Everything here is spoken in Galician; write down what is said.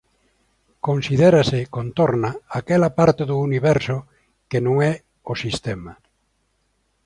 Considérase "contorna" aquela parte do Universo que non é o sistema.